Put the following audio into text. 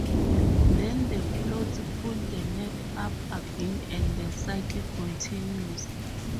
Then the floats pull the net up again and the cycle continues.